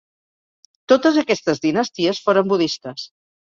Totes aquestes dinasties foren budistes.